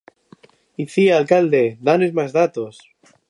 Icía Alcalde, danos máis datos.